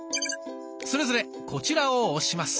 それぞれこちらを押します。